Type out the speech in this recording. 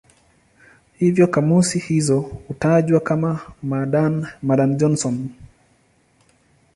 Hivyo kamusi hizo hutajwa kama "Madan-Johnson".